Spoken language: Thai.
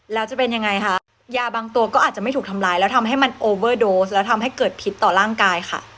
แล้วจะเป็นยังไงคะยาบางตัวก็อาจจะไม่ถูกทำร้ายแล้วทำให้มันโอเวอร์โดสแล้วทำให้เกิดพิษต่อร่างกายค่ะ